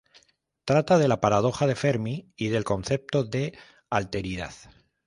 Trata de la paradoja de Fermi y del concepto de alteridad.